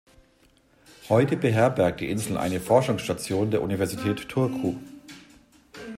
Heute beherbergt die Insel eine Forschungsstation der Universität Turku.